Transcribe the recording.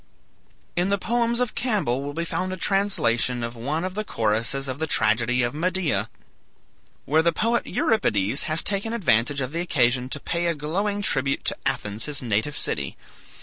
In the poems of Campbell will be found a translation of one of the choruses of the tragedy of "Medea," where the poet Euripides has taken advantage of the occasion to pay a glowing tribute to Athens, his native city.